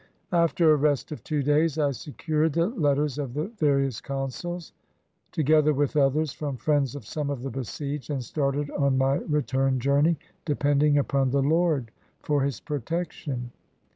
After a rest of two days I secured the letters of the various consuls, together with others from friends of some of the besieged, and started on my return journey, depending upon the Lord for his protection.